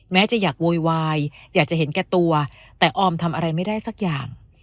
จะอยากโวยวายอยากจะเห็นแก่ตัวแต่ออมทำอะไรไม่ได้สักอย่าง